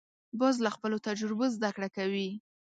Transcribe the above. باز له خپلو تجربو زده کړه کوي